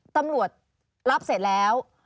ตำรวจรับเสร็จแล้ว